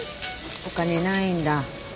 お金無いんだ？